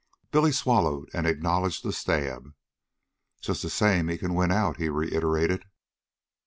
Billy swallowed and acknowledged the stab. "Just the same he can win out," he reiterated.